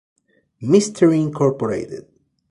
Mystery Incorporated".